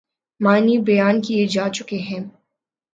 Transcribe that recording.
معنی بیان کئے جا چکے ہیں۔